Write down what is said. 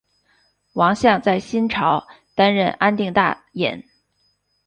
王向在新朝担任安定大尹。